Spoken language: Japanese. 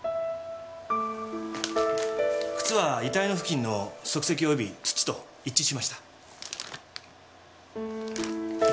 靴は遺体の付近の足跡および土と一致しました。